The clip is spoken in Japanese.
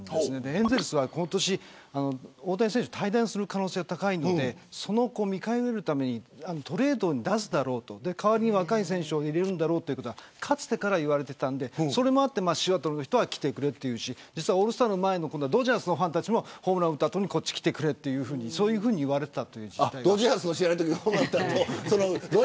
エンゼルスは今年、大谷選手退団する可能性が高いのでその見返りを得るためにトレードに出すだろうと代わりに若い選手を入れるだろうとかつてから言われていたのでそれもあってシアトルの人は来てくれと言うしオールスターの前のドジャースのファンたちもホームラン打った後にこっちに来てくれと言っていた。